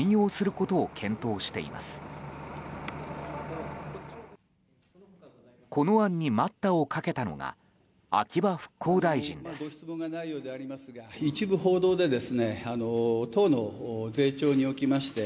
この案に待ったをかけたのが秋葉復興大臣です。